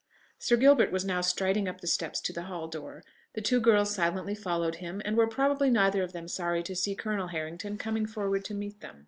Sir Gilbert was now striding up the steps to the hall door: the two girls silently followed him, and were probably neither of them sorry to see Colonel Harrington coming forward to meet them.